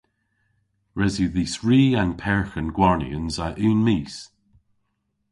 Res yw dhis ri an perghen gwarnyans a unn mis.